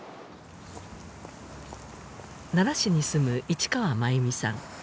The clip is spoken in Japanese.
奈良市に住む市川真由美さん